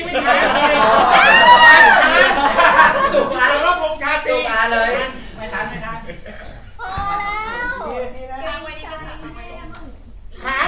พอดที่เลยกับพลังงามหรือเปล่า